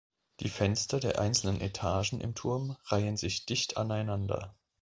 Die Fenster der einzelnen Etagen im Turm reihen sich dicht aneinander.